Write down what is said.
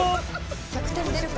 １００点出るか？